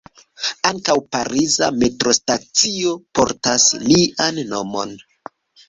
Ankaŭ pariza metrostacio portas lian nomon.